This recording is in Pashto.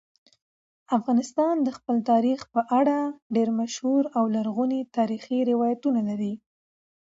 افغانستان د خپل تاریخ په اړه ډېر مشهور او لرغوني تاریخی روایتونه لري.